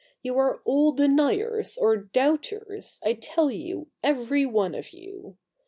You are all deniers or doubters, I tell you, every one of you.